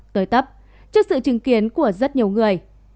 tới tấp trước sự chứng kiến của rất nhiều người